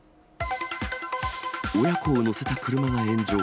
親子を乗せた車が炎上。